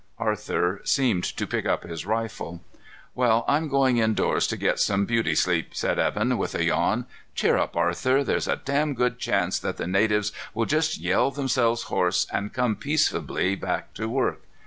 Arthur seemed to pick up his rifle. "Well, I'm going indoors to get some beauty sleep," said Evan with a yawn. "Cheer up, Arthur. There's a damn good chance that the natives will just yell themselves hoarse and come peaceably back to work.